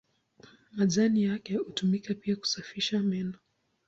Majani yake hutumika pia kusafisha meno.